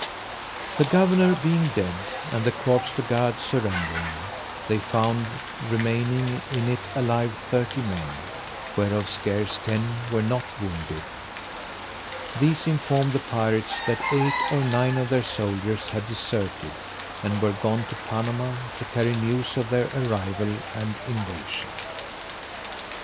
The governor being dead, and the corps du gard surrendering, they found remaining in it alive thirty men, whereof scarce ten were not wounded: these informed the pirates that eight or nine of their soldiers had deserted, and were gone to Panama, to carry news of their arrival and invasion.